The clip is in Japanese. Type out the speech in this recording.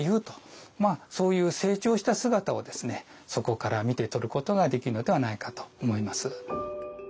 そういう成長した姿をそこから見て取ることができるのではないかと思います。